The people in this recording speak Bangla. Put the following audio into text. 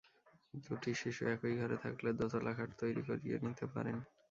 দুটি শিশু একই ঘরে থাকলে দোতলা খাট তৈরি করিয়ে নিতে পারেন।